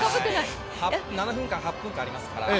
７分間、８分間ありますから。